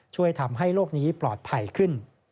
ช่วยทำให้โลกนี้ปลอดภัยขึ้น